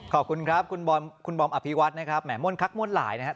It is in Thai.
ขอบคุณครับคุณบอมอภิวัตนะครับแหมม่วนคักมวลหลายนะครับ